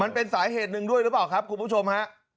มันเป็นสาเหตุหนึ่งด้วยหรือเปล่าครับคุณผู้ชมฮะ